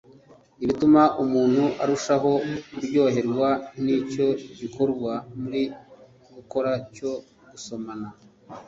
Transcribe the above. bituma umuntu arushaho kuryoherwa nicyo gikorwa muri gukora cyo gusomana